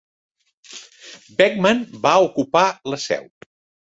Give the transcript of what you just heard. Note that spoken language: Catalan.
Beckman va ocupar la Seu.